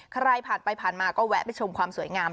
ใครผ่านไปผ่านมาก็แวะไปชมความสวยงาม